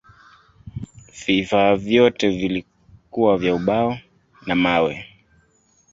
Vifaa vyote vilikuwa vya ubao na mawe.